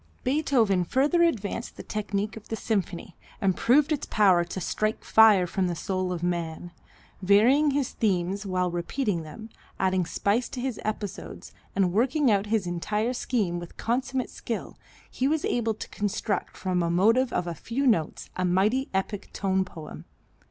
Beethoven further advanced the technique of the symphony, and proved its power to "strike fire from the soul of man." Varying his themes while repeating them, adding spice to his episodes and working out his entire scheme with consummate skill, he was able to construct from a motive of a few notes a mighty epic tone poem.